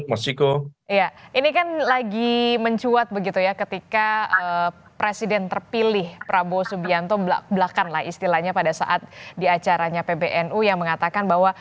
iya ini kan lagi mencuat begitu ya ketika presiden terpilih prabowo subianto belakang lah istilahnya pada saat di acaranya pbnu yang mengatakan bahwa